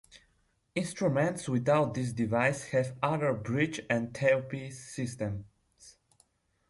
Instruments without this device have other bridge and tailpiece systems.